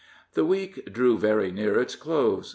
The week drew very near its close.